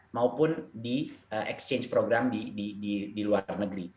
maupun di exchange program di luar negeri